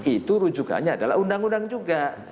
itu rujukannya adalah undang undang juga